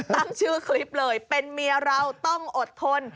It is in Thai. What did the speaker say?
ตั้งชื่อคลิปเลยเป็นเมียเราต้องอดทน